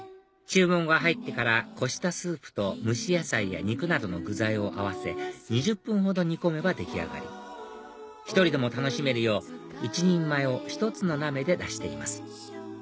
注文が入ってからこしたスープと蒸し野菜や肉などの具材を合わせ２０分ほど煮込めば出来上がり１人でも楽しめるよう１人前を１つの鍋で出しています